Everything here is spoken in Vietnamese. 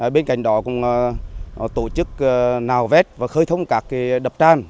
bên cạnh đó cũng tổ chức nào vét và khơi thông các đập tràn